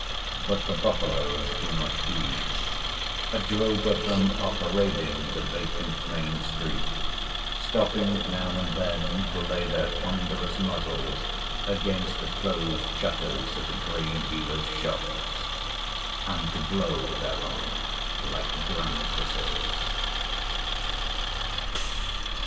But the buffaloes do not heed. A drove of them are parading the vacant main street; stopping now and then to lay their ponderous muzzles against the closed shutters of a grain dealer’s shops and to blow thereon like grampuses.